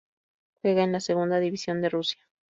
Juega en la Segunda División de Rusia.